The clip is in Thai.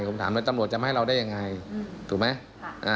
ผมถามแล้วตำรวจจะมาให้เราได้ยังไงถูกไหม